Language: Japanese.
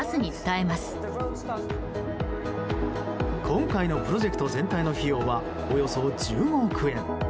今回のプロジェクト全体の費用はおよそ１５億円。